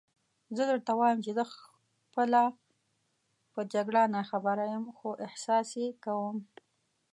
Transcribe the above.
زه درته وایم چې زه خپله په جګړه ناخبره یم، خو احساس یې کوم.